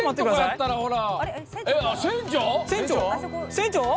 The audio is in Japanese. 船長！？